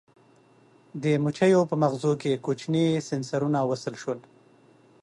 د مچیو په مغزو کې کوچني سېنسرونه وصل شول.